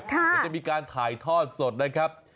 ค่ะจะมีการถ่ายทอดสดนะครับ